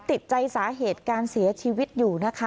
ติดใจสาเหตุการเสียชีวิตอยู่นะคะ